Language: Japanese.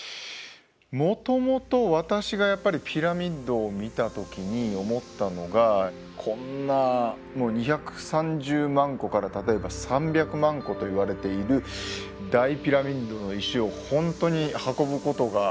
もともと私がやっぱりピラミッドを見た時に思ったのがこんなもう２３０万個から例えば３００万個といわれている大ピラミッドの石を本当に運ぶことが人類ができたのかとかね。